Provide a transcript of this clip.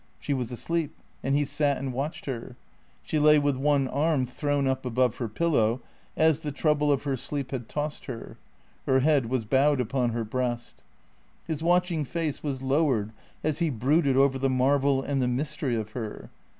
She was asleep, and he sat and watched her. She lay with one arm thrown up above her pillow, as the trouble of her sleep had tossed her. Her head was bowed upon her breast. His watching face was lowered as he brooded over the marvel and the mystery of her.